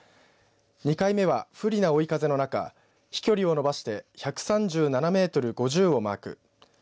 ２回目は不利な追い風の中飛距離を伸ばして１３７メートル５０をマーク。